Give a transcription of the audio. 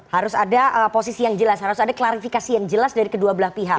harus ada posisi yang jelas harus ada klarifikasi yang jelas dari kedua belah pihak